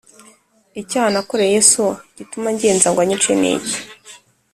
Icyaha nakoreye so gituma angenza ngo anyice ni iki?